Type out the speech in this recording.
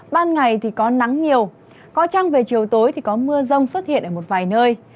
ban ngày thì có nắng nhiều có trăng về chiều tối thì có mưa rông xuất hiện ở một vài nơi